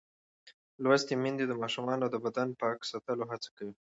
لوستې میندې د ماشومانو د بدن پاک ساتلو هڅه کوي.